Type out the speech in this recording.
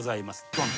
ドン。